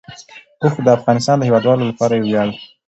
اوښ د افغانستان د هیوادوالو لپاره یو ویاړ دی.